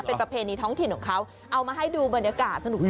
เป็นประเพณีท้องถิ่นของเขาเอามาให้ดูบรรยากาศสนุก